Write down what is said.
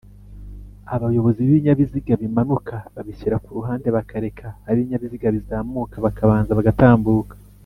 abayobozi b’ibinyabiziga bimanuka babishyira kuruhande bakareka ab’ibinyabiziga bizamuka bakabanza bagatambuka